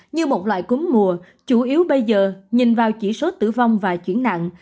như một loại cúm mùa chủ yếu bây giờ nhìn vào chỉ số tử vong và chuyển nặng